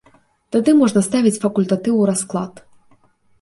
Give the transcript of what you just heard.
Тады можна ставіць факультатыў у расклад.